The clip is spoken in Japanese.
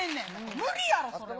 無理やろ、それは。